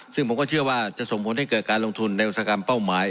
ซึ่งผมก็เชื่อว่าจะส่งผลให้เกิดการลงทุนในอุตสาหกรรมเป้าหมาย